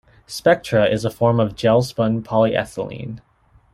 Spectra is a form of gel-spun polyethylene.